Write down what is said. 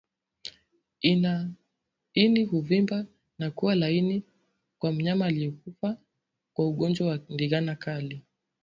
Ini huvimba na kuwa laini kwa mnyama aliyekufa kwa ugonjwa wa ndigana kali